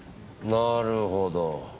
なるほど。